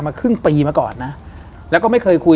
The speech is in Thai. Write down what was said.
ครึ่งปีมาก่อนนะแล้วก็ไม่เคยคุย